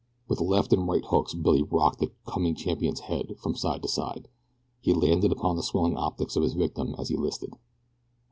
With left and right hooks Billy rocked the "coming champion's" head from side to side. He landed upon the swelling optics of his victim as he listed.